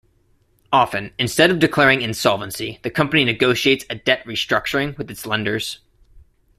Often, instead of declaring insolvency, the company negotiates a debt restructuring with its lenders.